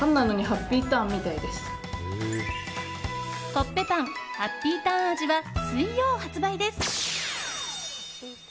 コッペパンハッピーターン味は水曜発売です。